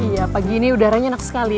iya pagi ini udaranya enak sekali